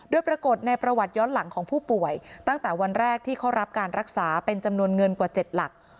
โดยปรากฏในประวัติย้อนหลังของผู้ป่วยตั้งแต่วันแรกที่เขารับการรักษาเป็นจำนวนเงินกว่า๗หลัก